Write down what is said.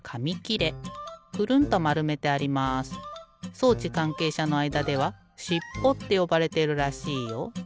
装置かんけいしゃのあいだではしっぽってよばれているらしいよ。